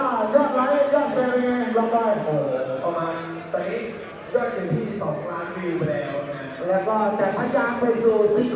น้องเตอร์อย่าชักมาสิมาเบียบพาน้องโชว์